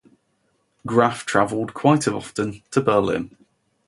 Graff travelled quite often to Berlin.